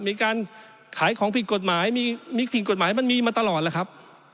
มีการขายของผิดกฎหมายมีผิดกฎหมายมันมีมาตลอดล่ะครับ